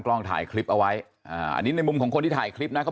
กล้องถ่ายคลิปเอาไว้อ่าอันนี้ในมุมของคนที่ถ่ายคลิปนะครับ